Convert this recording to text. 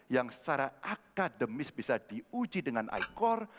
yang secara akademis bisa diuji dengan i core